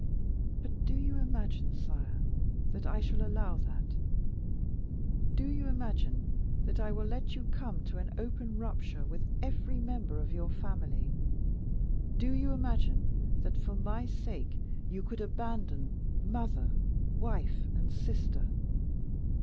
"But do you imagine, sire, that I shall allow that; do you imagine that I will let you come to an open rupture with every member of your family; do you imagine that, for my sake, you could abandon mother, wife and sister?"